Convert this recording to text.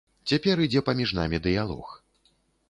Цяпер ідзе паміж намі дыялог.